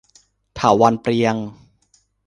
เถาวัลย์เปรียง